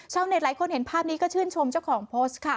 หลายคนเห็นภาพนี้ก็ชื่นชมเจ้าของโพสต์ค่ะ